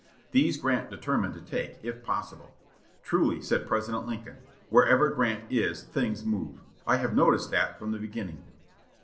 These Grant determined to take, if possible. Truly said President Lincoln, "Wherever Grant is things move. I have noticed that from the beginning."